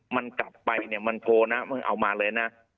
มันกลับไปเพราะมันโทรนะเอามาเลยนะ